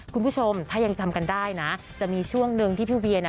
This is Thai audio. คุณผู้ชมถ้ายังจำกันได้นะจะมีช่วงหนึ่งที่พี่เวียน่ะ